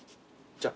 じゃあ。